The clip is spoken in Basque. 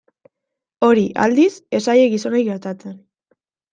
Hori, aldiz, ez zaie gizonei gertatzen.